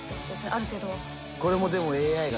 ある程度は。